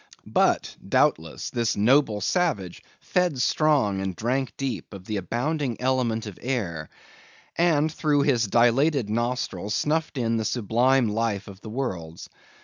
But, doubtless, this noble savage fed strong and drank deep of the abounding element of air; and through his dilated nostrils snuffed in the sublime life of the worlds.